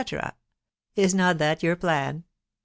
Is not that your plan